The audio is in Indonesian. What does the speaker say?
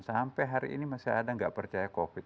sampai hari ini masih ada yang tidak percaya covid sembilan belas